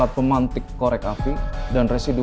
yang memantik korek api dan residu